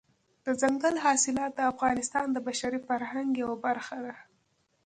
دځنګل حاصلات د افغانستان د بشري فرهنګ یوه برخه ده.